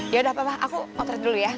yaudah papa aku outred dulu ya